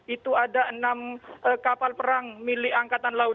itu ada enam kapal perang milik angkatan laut